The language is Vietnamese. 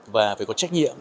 và phải có trách nhiệm